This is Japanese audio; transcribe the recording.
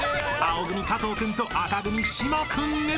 ［青組加藤君と紅組島君へ］